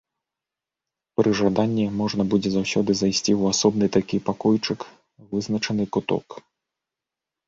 Пры жаданні можна будзе заўсёды зайсці ў асобны такі пакойчык, вызначаны куток.